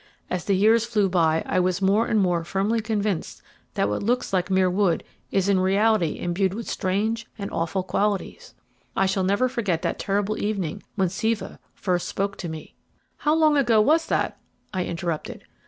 As the years flew by I was more and more firmly convinced that what looks like mere wood is in reality imbued with strange and awful qualities. I shall never forget that terrible evening when Siva first spoke to me." "How long ago was that?" I interrupted.